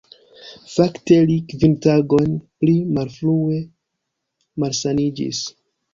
Fakte li kvin tagojn pli malfrue malsaniĝis.